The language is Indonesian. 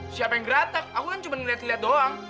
siapa yang geretak aku kan cuma liat liat doang